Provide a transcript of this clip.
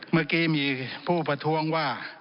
เมื่อกี้มีผู้ประท้วงว่า